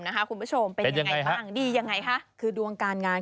คุณผู้ชมเป็นยังไงบ้างดียังไงคะคือดวงการงาน